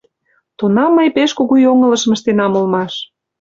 Тунам мый пеш кугу йоҥылышым ыштенам улмаш.